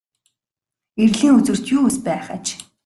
Эрлийн үзүүрт юу эс байх аж.